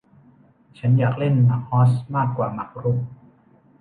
ฉันอยากเล่นหมากฮอสมากกว่าหมากรุก